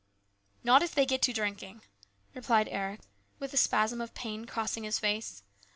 " Not if they get to drinking," replied Eric with a spasm of pain crossing his face.